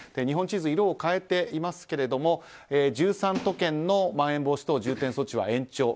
日本地図、色を変えていますけど１３都県のまん延防止等重点措置は延長。